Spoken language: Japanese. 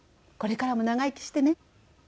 これからも長生きしてね。